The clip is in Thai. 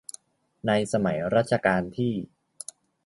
ในสมัยรัชกาลที่